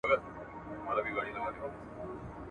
په قلم خط لیکل د زده کوونکي پر ذهن د علم رڼا اچوي.